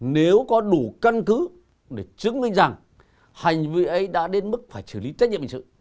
nếu có đủ căn cứ để chứng minh rằng hành vi ấy đã đến mức phải xử lý trách nhiệm hình sự